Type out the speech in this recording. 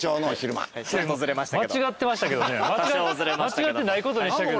間違ってないことにしたけど。